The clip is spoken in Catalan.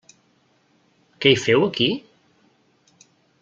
Què hi feu aquí?